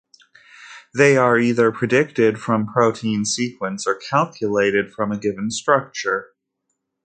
They are either predicted from protein sequence or calculated from a given structure.